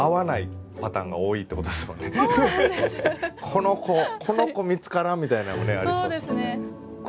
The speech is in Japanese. この子この子見つからんみたいなのもありそうですもんね。